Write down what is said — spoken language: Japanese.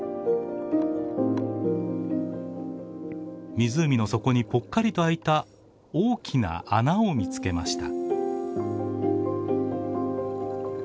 湖の底にぽっかりと開いた大きな穴を見つけました。